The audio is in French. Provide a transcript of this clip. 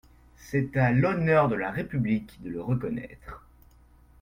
C’est à l’honneur de la République de le reconnaître.